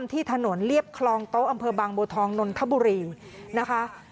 ที่ถนนเรียบคลองโต๊ะอำเภอบางบัวทองนนทบุรีนะคะ